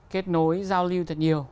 kết nối giao lưu thật nhiều